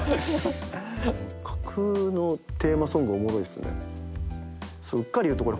架空のテーマソングおもろいっすね。